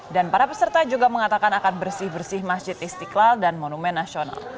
dan para peserta juga mengatakan akan bersih bersih masjid istiqlal dan monumen nasional